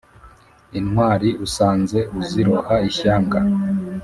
intwari usanze uziroha ishyanga